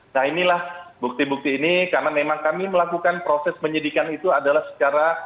nah inilah bukti bukti ini karena memang kami melakukan proses penyidikan itu adalah secara